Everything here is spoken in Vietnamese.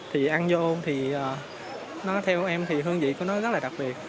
thì ăn vô thì nó theo em thì hương vị của nó rất là đặc biệt